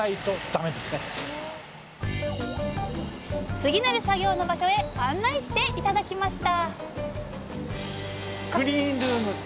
次なる作業の場所へ案内して頂きました